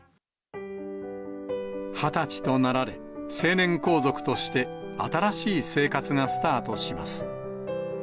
２０歳となられ、成年皇族として新しい生活がスタートします。